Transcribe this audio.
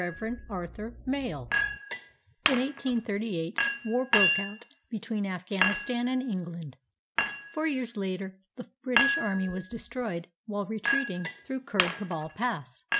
ARTHUR MALE [In 1838 war broke out between Afghanistan and England. Four years later, the British army was destroyed while retreating through Kurd Kabul Pass.